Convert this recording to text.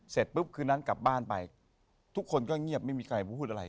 เสร็จปุ๊บคืนนั้นกลับบ้านไปทุกคนก็เงียบไม่มีใครพูดอะไร